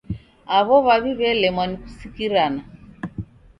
Aw'o w'aw'I w'elemwa ni kusikirana.